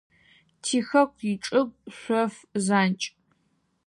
Тихэку ичӏыгу – шъоф занкӏ.